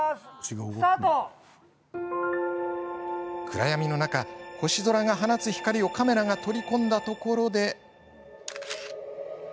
暗闇の中、星空が放つ光をカメラが取り込んだところで。